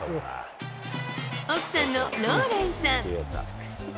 奥さんのローレンさん。